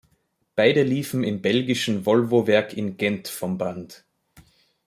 Beide liefen im belgischen Volvo-Werk in Gent vom Band.